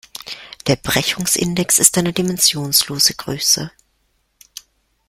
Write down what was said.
Der Brechungsindex ist eine dimensionslose Größe.